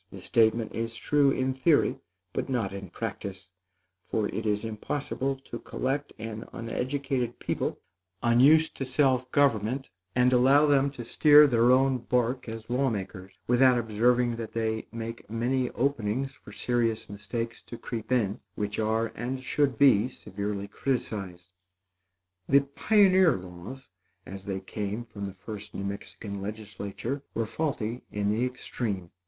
This statement is true in theory, but not in practice; for it is impossible to collect an uneducated people, unused to self government, and allow them to steer their own bark as law makers, without observing that they make many openings for serious mistakes to creep in, which are and should be severely criticised. The pioneer laws, as they came from the first New Mexican legislature, were faulty in the extreme.